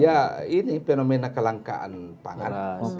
ya ini fenomena kelangkaan pangan